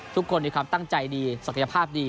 ทุกคนมีความตั้งใจดีศักยภาพดี